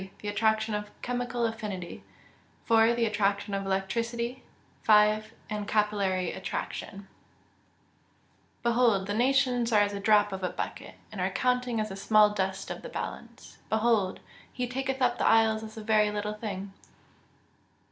The attraction of chemical affinity. 4. The attraction of electricity. 5. And capillary attraction. [Verse: "Behold, the nations are as a drop of a bucket, and are counted as the small dust of the balance: behold, he taketh up the isles as a very little thing."